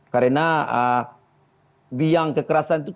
karena biang kekerasan itu terjadi